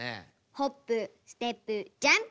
「ホップステップジャンプ！」ぐらい。